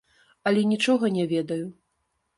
Але нічога не ведаю.